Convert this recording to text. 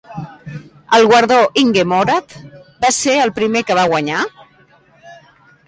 El guardó Inge Morath va ser el primer que va guanyar?